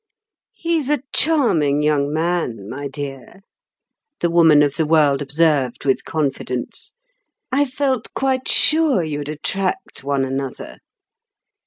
"He's a charming young man, my dear," the woman of the world observed with confidence. "I felt quite sure you'd attract one another.